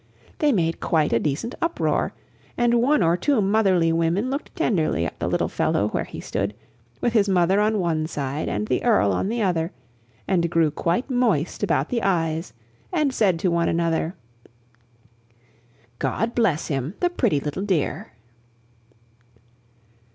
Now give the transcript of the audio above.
They made quite a decent uproar, and one or two motherly women looked tenderly at the little fellow where he stood, with his mother on one side and the Earl on the other, and grew quite moist about the eyes, and said to one another: "God bless him, the pretty little dear!"